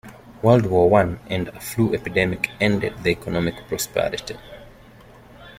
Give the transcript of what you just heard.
World War One and a flu epidemic ended the economic prosperity.